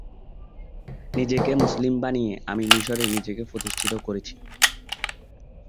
নিজেকে মুসলিম বানিয়ে আমি মিশরে নিজেকে প্রতিষ্ঠিত করেছি।